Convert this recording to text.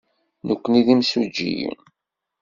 Nekkni d imsujjiyen.